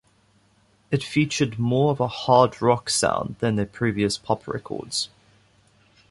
It featured more of a hard rock sound than their previous pop records.